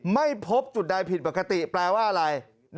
ไม่พบจุดใดผิดปกติแปลว่าอะไร